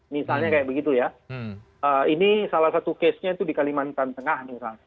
misalnya kayak begitu ya ini salah satu case nya itu di kalimantan tengah misalnya